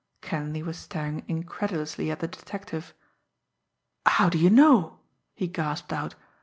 Kenleigh was staring incredulously at the detective. "How do you know?" he gasped out.